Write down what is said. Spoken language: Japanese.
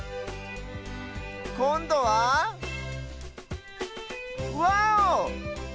こんどはわお！